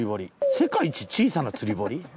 世界一小さな釣り堀？